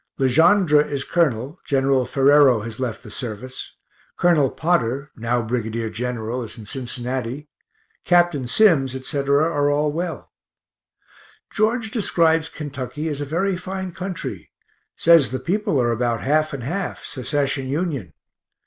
Le Gendre is colonel Gen. Ferrero has left the service Col. Potter (now brig. gen.) is in Cincinnati Capt. Sims, etc., are all well. George describes Kentucky as a very fine country says the people are about half and half, Secesh and Union.